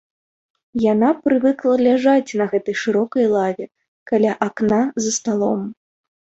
Яна прывыкла ляжаць на гэтай шырокай лаве, каля акна за сталом.